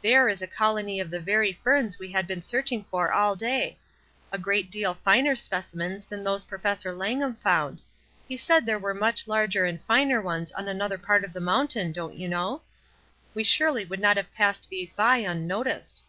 "There is a colony of the very ferns we have been searching for all day; a great deal finer specimens than those Professor Langham found; he said there were much larger and finer ones on another part of the mountain, don't you know? We surely would not have passed these by imnoticed."